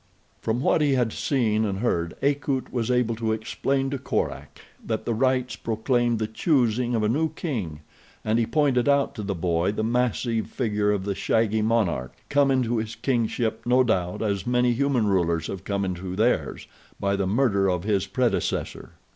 From what he had seen and heard Akut was able to explain to Korak that the rites proclaimed the choosing of a new king, and he pointed out to the boy the massive figure of the shaggy monarch, come into his kingship, no doubt, as many human rulers have come into theirs—by the murder of his predecessor.